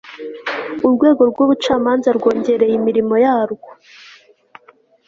urwego rw ubucamanza rwongereye imirimo yarwo